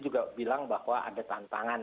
juga bilang bahwa ada tantangan